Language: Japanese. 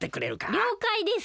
りょうかいです。